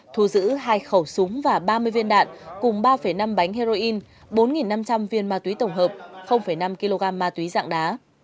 thu giữ hai khẩu súng và ba mươi viên đạn cùng ba năm bánh heroin bốn năm trăm linh viên ma túy tổng hợp năm kg ma túy dạng đá